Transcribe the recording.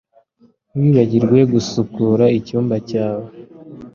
Ntiwibagirwe gusukura icyumba cyawe